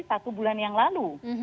satu bulan yang lalu